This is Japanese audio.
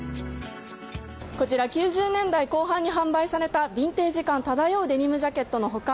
こちら、９０年代後半に販売されたビンテージ感漂うデニムジャケットの他